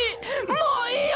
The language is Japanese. もういいよ